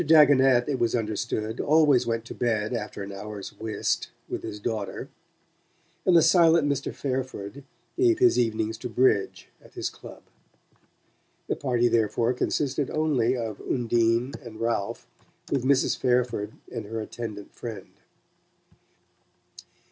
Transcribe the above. Dagonet, it was understood, always went to bed after an hour's whist with his daughter; and the silent Mr. Fairford gave his evenings to bridge at his club. The party, therefore, consisted only of Undine and Ralph, with Mrs. Fairford and her attendant friend.